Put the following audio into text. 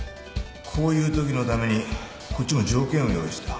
こういうときのためにこっちも条件を用意した。